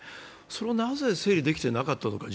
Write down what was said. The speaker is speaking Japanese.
それをなぜ事前に整理できてなかったのかと。